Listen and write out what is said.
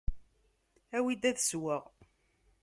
Awi-d ad sweɣ!